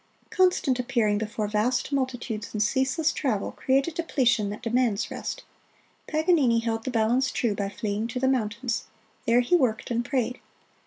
Constant appearing before vast multitudes and ceaseless travel create a depletion that demands rest. Paganini held the balance true by fleeing to the mountains; there he worked and prayed.